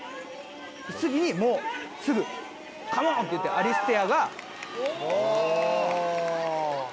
次にもうすぐ「カモン！」って言ってアリステアが。